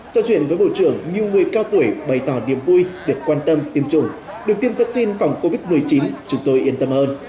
trò chuyện với bộ trưởng nhiều người cao tuổi bày tỏ niềm vui được quan tâm tiêm chủng được tiêm vaccine phòng covid một mươi chín chúng tôi yên tâm hơn